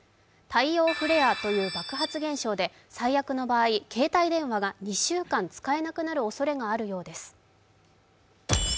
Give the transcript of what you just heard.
太陽フレアという爆発現象で最悪の場合、携帯電話が２週間使えなくなるおそれがあるようです。